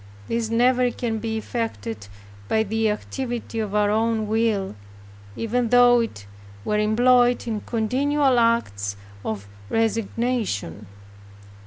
This never can be effected by the activity of our own will, even though it were employed in continual acts or resignation.